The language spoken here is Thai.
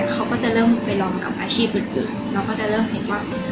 เขาก็จะเริ่มไปลองกับอาชีพอื่นเราก็จะเริ่มเห็นว่า